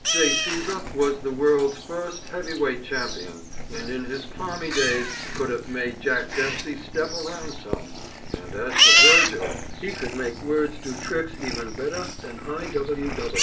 J. Cæsar was the world's first heavyweight champion, and in his palmy days could have made Jack Dempsey step around some, and as for Virgil he could make words do tricks even better than I.